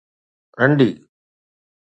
رنڊي